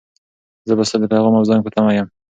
زه به ستا د پیغام او زنګ په تمه یم.